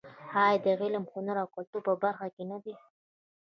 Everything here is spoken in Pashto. آیا د علم، هنر او کلتور په برخه کې نه دی؟